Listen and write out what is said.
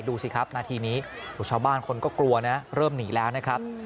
ดูสิครับนาทีนี้ชาวบ้านคนก็กลัวนะเริ่มหนีแล้วนะครับ